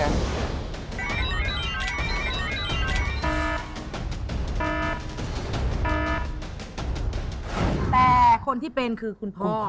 แต่คนที่เป็นคือคุณพ่อ